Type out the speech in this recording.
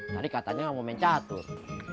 tadi katanya gak mau main catur